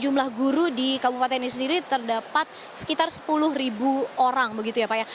jumlah guru di kabupaten ini sendiri terdapat sekitar sepuluh orang begitu ya pak ya